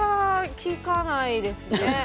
聞かないですね。